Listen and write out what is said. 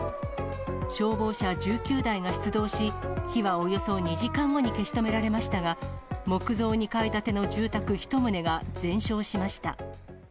消防車１９台が出動し、火はおよそ２時間後に消し止められましたが、木造２階建ての住宅１棟が全焼しました。